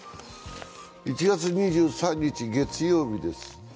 １月２３日、月曜日です。